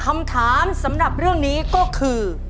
คำถามสำหรับเรื่องนี้ก็คือ